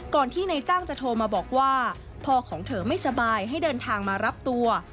ที่นายจ้างจะโทรมาบอกว่าพ่อของเธอไม่สบายให้เดินทางมารับตัว